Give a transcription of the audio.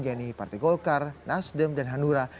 yaitu partai golkar nasdem dan hanura